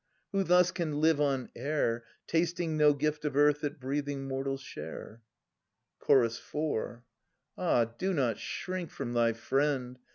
Who thus can live on air, Tasting no gift of earth that breathing mortals share ? Ch. 4. Ah! do not shrink from thy friend.